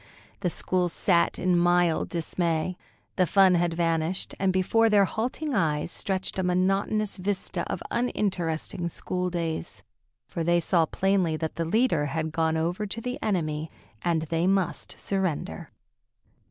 The school sat in mild dismay. The fun had vanished, and before their halting eyes stretched a monotonous vista of uninteresting school days. For they saw plainly that the leader had gone over to the enemy, and they must surrender.